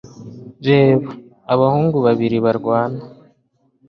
Reba! Abahungu babiri barwana